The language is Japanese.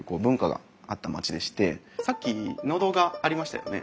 さっき農道がありましたよね？